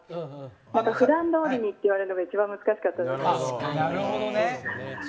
普段どおりって言われるのが一番難しかったです。